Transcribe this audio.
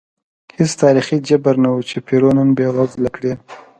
هېڅ تاریخي جبر نه و چې پیرو نن بېوزله کړي.